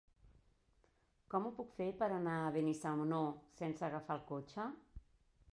Com ho puc fer per anar a Benissanó sense agafar el cotxe?